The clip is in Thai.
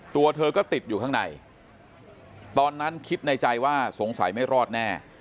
ตัวเธอก็ติดอยู่ข้างในตอนนั้นคิดในใจว่าสงสัยไม่รอดแน่